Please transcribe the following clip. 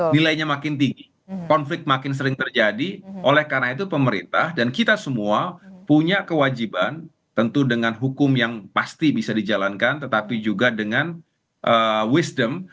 nilainya makin tinggi konflik makin sering terjadi oleh karena itu pemerintah dan kita semua punya kewajiban tentu dengan hukum yang pasti bisa dijalankan tetapi juga dengan wisdom